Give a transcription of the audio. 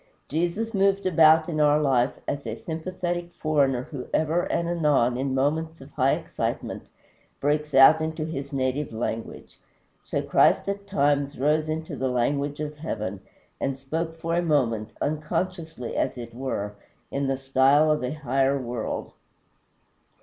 Jesus moved about in our life as a sympathetic foreigner who ever and anon in moments of high excitement breaks out into his native language. So Christ at times rose into the language of heaven, and spoke for a moment, unconsciously as it were, in the style of a higher world.